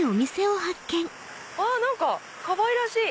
あっかわいらしい！